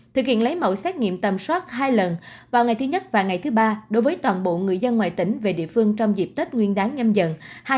thực hiện lấy mẫu xét nghiệm tầm soát hai lần vào ngày thứ nhất và ngày thứ ba đối với toàn bộ người dân ngoài tỉnh về địa phương trong dịp tết nguyên đáng nhâm dần hai nghìn hai mươi